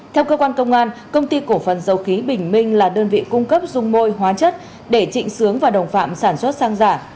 theo cơ quan công an công ty cổ phần dầu khí bình minh là đơn vị cung cấp dung môi hóa chất để trịnh sướng và đồng phạm sản xuất xăng giả